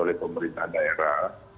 oleh pemerintah daerah